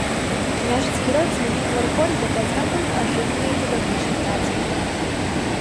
Княжацкі род змяніў твар горада працяглай ажыўленай будаўнічай працай.